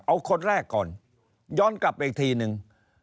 เอาคนแรกก่อนย้อนกลับไปอีกทีนึง